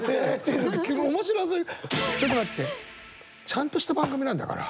ちゃんとした番組なんだから。